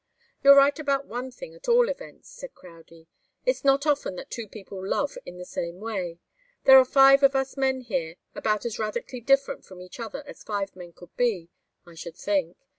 "You're right about one thing at all events," said Crowdie. "It's not often that two people love in the same way. There are five of us men here, about as radically different from each other as five men could be, I should think.